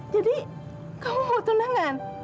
jadi kamu mau tunangan